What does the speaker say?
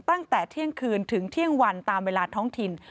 ตั้งแต่เที่ยงคืนถึงเที่ยงวันตามเวลาท้องถิ่น